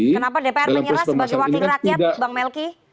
kenapa dpr menyerah sebagai wakil rakyat bang melki